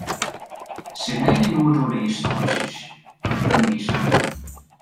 Sit net yn noed oer de ynstânsjes, dat binne myn saken.